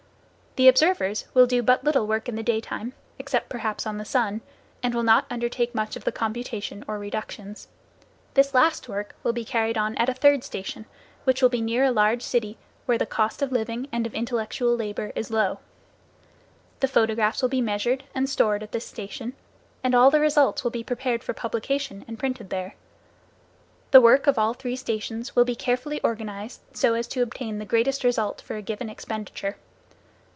The observers will do but little work in the daytime, except perhaps on the sun, and will not undertake much of the computation or reductions. This last work will be carried on at a third station, which will be near a large city where the cost of living and of intellectual labor is low. The photographs will be measured and stored at this station, and all the results will be prepared for publication, and printed there. The work of all three stations will be carefully organized so as to obtain the greatest result for a given expenditure.